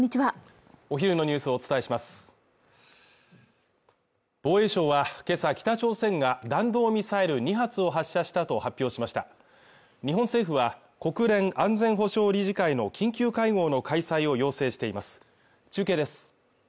お昼のニュースをお伝えします防衛省は今朝北朝鮮が弾道ミサイル２発を発射したと発表しました日本政府は国連安全保障理事会の緊急会合の開催を要請しています中継です